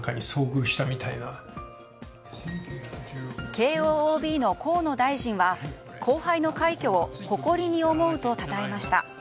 慶應ＯＢの河野大臣は後輩の快挙を誇りに思うとたたえました。